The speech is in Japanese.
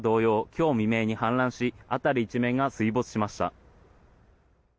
今日未明に氾濫し辺り一面が水没しました。